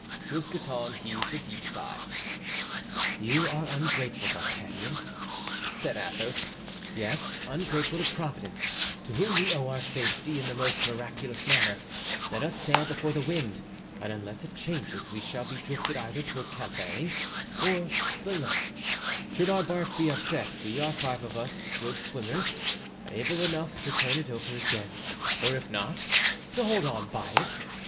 Mousqueton heaved a deep sigh. "You are ungrateful, D'Artagnan," said Athos; "yes, ungrateful to Providence, to whom we owe our safety in the most miraculous manner. Let us sail before the wind, and unless it changes we shall be drifted either to Calais or Boulogne. Should our bark be upset we are five of us good swimmers, able enough to turn it over again, or if not, to hold on by it.